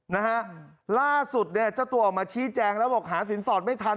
นะฮะล่าสุดเนี่ยเจ้าตัวออกมาชี้แจงแล้วบอกหาสินสอดไม่ทัน